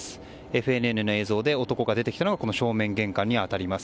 ＦＮＮの映像で男が出てきたのは正面玄関に当たります。